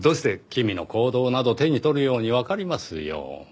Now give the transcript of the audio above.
君の行動など手に取るようにわかりますよ。